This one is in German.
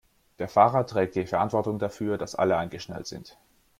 Der Fahrer trägt die Verantwortung dafür, dass alle angeschnallt sind.